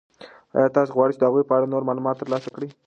آیا تاسو غواړئ د هغوی په اړه نور معلومات ترلاسه کړئ؟